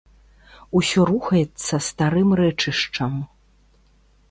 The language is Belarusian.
Усё рухаецца старым рэчышчам.